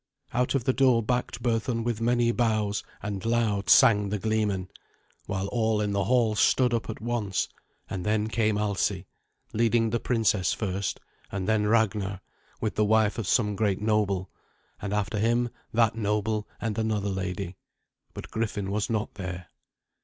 Out of the door backed Berthun with many bows, and loud sang the gleemen, while all in the hall stood up at once; and then came Alsi, leading the princess, first; and then Ragnar, with the wife of some great noble; and after him that noble and another lady; but Griffin was not there.